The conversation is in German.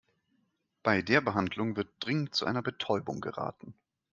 Bei der Behandlung wird dringend zu einer Betäubung geraten.